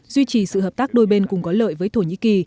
duy trì sự hợp tác đôi bên cùng có lợi với thổ nhĩ kỳ